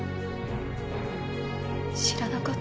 知らなかった。